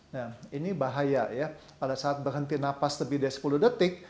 nah ini bahaya ya pada saat berhenti nafas lebih dari sepuluh detik